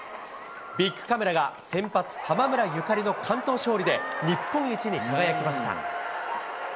ビックカメラが先発、濱村ゆかりの完投勝利で、日本一に輝きました。